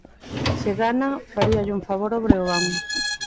Se gana, faríalle un favor ao Breogán.